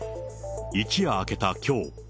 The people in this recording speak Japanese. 一夜明けたきょう。